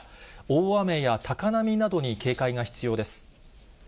大雨や高波などに警戒が必要です。